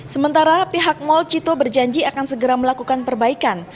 sementara pihak mall cito berjanji akan segera melakukan perbaikan